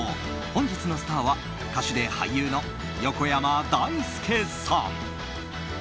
本日のスターは歌手で俳優の横山だいすけさん。